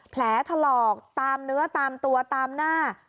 แผลถลอกตามเนื้อตามตัวตามหน้า